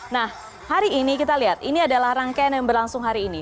nah hari ini kita lihat ini adalah rangkaian yang berlangsung hari ini